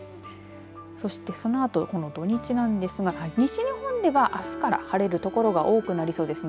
そしてそのあと、この土日なんですが西日本では、あすから晴れる所が多くなりそうです。